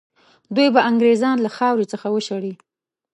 دوی به انګرېزان له خاورې څخه وشړي.